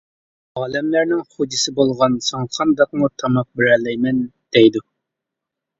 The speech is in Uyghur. ئالەملەرنىڭ خوجىسى بولغان ساڭا قانداقمۇ تاماق بېرەلەيمەن؟ دەيدۇ.